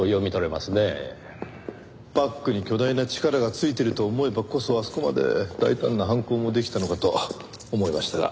バックに巨大な力がついてると思えばこそあそこまで大胆な犯行もできたのかと思いましたが。